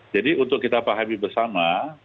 jadi untuk kita pahami bersama